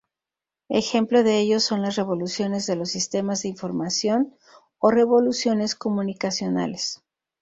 Ejemplo de ellos son las revoluciones de los sistema de información o revoluciones comunicacionales.